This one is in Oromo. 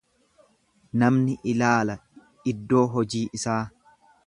Namni ilaala iddoo hojii isaa.